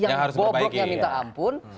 birokrasi yang bobok yang minta ampun